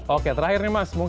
oke terakhir nih mas